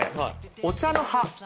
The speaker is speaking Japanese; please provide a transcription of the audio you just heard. お茶の葉